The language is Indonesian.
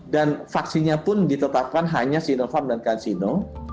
dan vaksinnya pun ditetapkan hanya sinovac dan kansino